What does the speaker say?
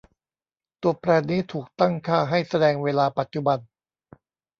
ตัวแปรนี้ถูกตั้งค่าให้แสดงเวลาปัจจุบัน